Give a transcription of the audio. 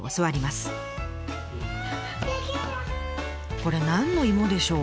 これ何の芋でしょう？